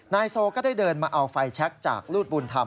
นายโซก็ได้เดินมาเอาไฟแชคจากรูดบุญธรรม